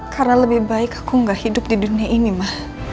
karena lebih baik aku gak hidup di dunia ini ma